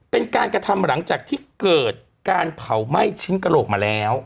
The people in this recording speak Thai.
เป็นการกระทำหลังจากที่เกิดการเผาไหม้ชิ้นกระโหลกมาแล้ว